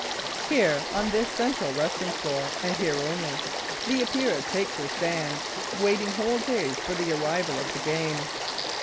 Here, on this central resting floor, and here only, the Epeira takes her stand, waiting whole days for the arrival of the game.